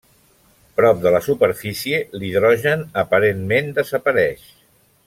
Prop de la superfície l'hidrogen aparentment desapareix.